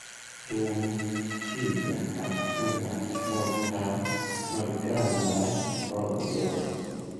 Dum sia alfluas multaj malgrandaj rojoj.